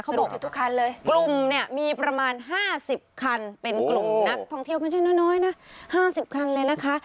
กลุ่มเนี่ยมีประมาณ๕๐คันเป็นกลุ่มนักทองเที่ยวมันช่วยน้อยนะ๕๐คันเลยนะคะ